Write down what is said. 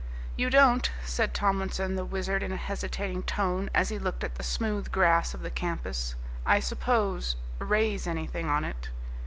"You don't," said Tomlinson the Wizard in a hesitating tone as he looked at the smooth grass of the campus, "I suppose, raise anything on it?"